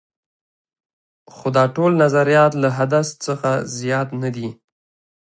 خو دا ټول نظریات له حدس څخه زیات نه دي.